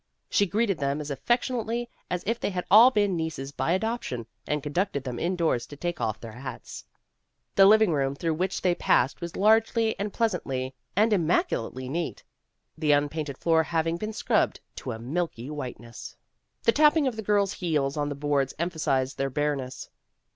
She greeted them as affectionately as if they had all been nieces by adoption, and conducted them indoors to take off their hats. The living room through which they passed was large and pleasantly and im maculately neat, the unpainted floor having been scrubbed to a milky whiteness. 44 PEGGY RAYMOND'S WAY The tapping of the girls ' heels on the boards emphasized their bareness.